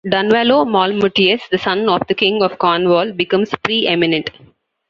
Dunvallo Molmutius, the son of the King of Cornwall, becomes pre-eminent.